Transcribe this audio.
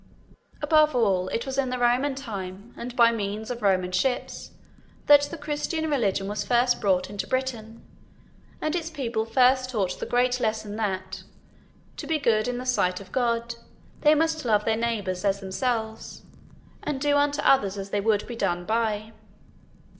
Above all, it was in the Roman time, and by means of Roman ships, that the Christian Religion was first brought into Britain, and its people first taught the great lesson that, to be good in the sight of God, they must love their neighbours as themselves, and do unto others as they would be done by.